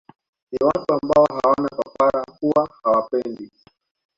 Ni watu ambao hawana papara huwa hawapendi